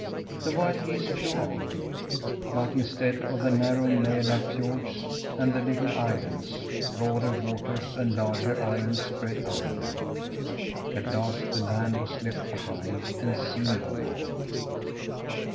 The wild geese flew on, but instead of the narrow Mälar fiords and the little islands, broader waters and larger islands spread under them. At last the land was left behind and seen no more.